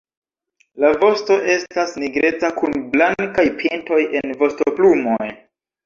La vosto estas nigreca kun blankaj pintoj en vostoplumoj.